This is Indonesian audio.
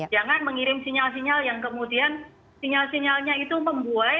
jangan mengirim sinyal sinyal yang kemudian sinyal sinyalnya itu membuai